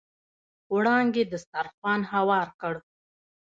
وړانګې دسترخوان هوار کړ.